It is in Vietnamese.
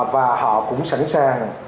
và họ cũng sẵn sàng